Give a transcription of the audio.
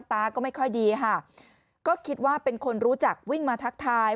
ตาก็ไม่ค่อยดีค่ะก็คิดว่าเป็นคนรู้จักวิ่งมาทักทาย